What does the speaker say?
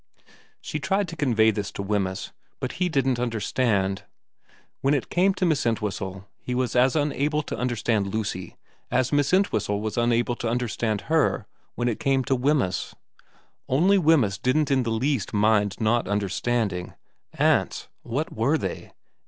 She tried to convey this to Wemyss, but he didn't understand. When it came to Miss Entwhistle he was as unable to understand Lucy as Miss Entwhistle was unable to understand her when it came to Wemyss. Only Wemyss didn't in the least mind not understanding. Aunts. What were they